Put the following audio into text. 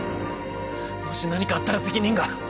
もし何かあったら責任が